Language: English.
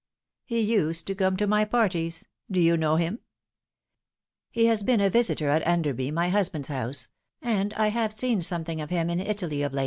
He used to come to my parties. Do you know him ?"" He has been a visitor at Enderby my husband's house and I have seen something of him in Italy of